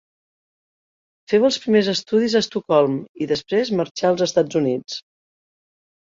Féu els primers estudis a Estocolm i després marxà als Estats Units.